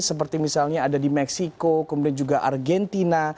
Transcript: seperti misalnya ada di meksiko kemudian juga argentina